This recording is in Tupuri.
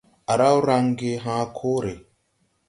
À raw range hãã kore.